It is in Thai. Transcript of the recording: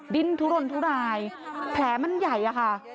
ดิ้นทุรนทุรายแผลมันใหญ่อะค่ะ